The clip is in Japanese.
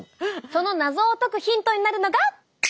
その謎を解くヒントになるのが。